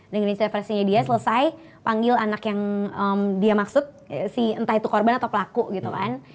dengan intervensinya dia selesai panggil anak yang dia maksud si entah itu korban atau pelaku gitu kan